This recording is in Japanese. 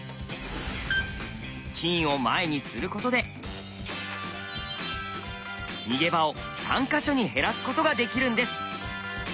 金を前にすることで逃げ場を３か所に減らすことができるんです。